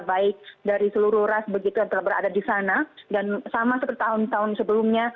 baik dari seluruh ras begitu yang telah berada di sana dan sama seperti tahun tahun sebelumnya